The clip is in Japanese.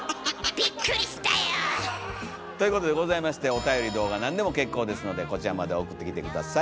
びっくりしたよ。ということでございましておたより動画何でも結構ですのでこちらまで送ってきて下さい。